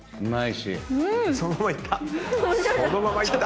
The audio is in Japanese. そのままいった！